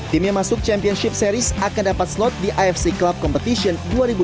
tim yang masuk championship series akan dapat slot di ifc club competition dua ribu dua puluh empat dua ribu dua puluh lima